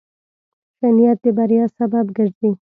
ښه نیت د بریا سبب ګرځي.